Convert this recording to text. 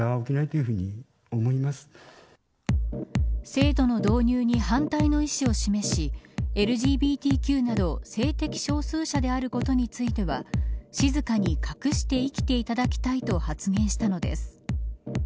制度の導入に反対の意思を示しＬＧＢＴＱなど性的少数者であることについては静かに隠して生きていただきたいと発言したのです。